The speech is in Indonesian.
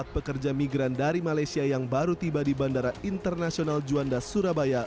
satu ratus lima puluh empat pekerja migran dari malaysia yang baru tiba di bandara internasional juanda surabaya